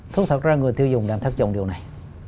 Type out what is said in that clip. thực ra người tiêu dùng đang thất dụng điều này